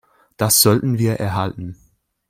Das sollten wir erhalten.